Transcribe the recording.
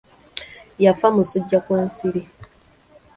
Yafa musujja gwa nsiri.